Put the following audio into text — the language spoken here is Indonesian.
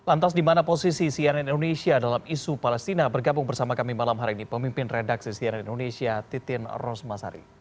lantas di mana posisi cnn indonesia dalam isu palestina bergabung bersama kami malam hari ini pemimpin redaksi cnn indonesia titin rosmasari